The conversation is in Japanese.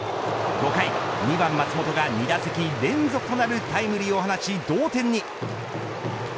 ５回２番松本が２打席連続となるタイムリーを放ち同点に。